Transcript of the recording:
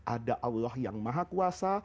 ada allah yang maha kuasa